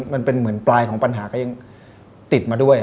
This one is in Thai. มันเป็นเหมือนปลายของปัญหาก็ยังติดมาด้วย